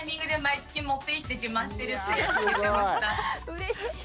うれしい！